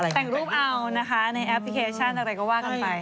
แต่งรูปเอานะคะในแอปพลิเคชันอะไรก็ว่ากันไป